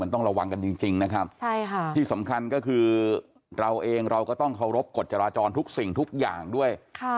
ต้องระวังกันจริงนะครับที่สำคัญก็คือเราเองเราก็ต้องเคารพกฎจราจรทุกสิ่งทุกอย่างด้วย